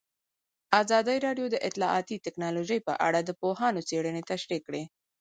ازادي راډیو د اطلاعاتی تکنالوژي په اړه د پوهانو څېړنې تشریح کړې.